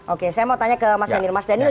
oke saya mau tanya ke mas daniel